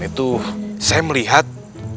itu saya melihat